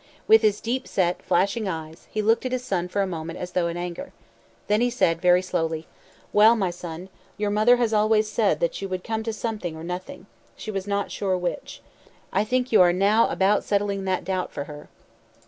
With his deep set, flashing eyes, he looked at his son for a moment as though in anger. Then he said, very slowly: "Well, my son, your mother has always said that you would come to something or nothing she was not sure which. I think you are now about settling that doubt for her."